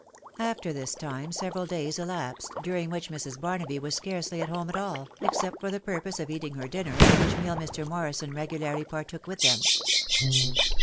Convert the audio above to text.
After this time several days elapsed, during which Mrs. Barnaby was scarcely at home at all, except for the purpose of eating her dinner, which meal Mr. Morrison regularly partook with them.